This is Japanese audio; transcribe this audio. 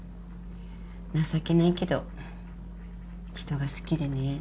情けないけど人が好きでね